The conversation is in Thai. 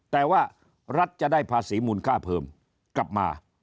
แต่ว่ารัฐจะได้ภาษีมูลค่าเพิ่มกลับมา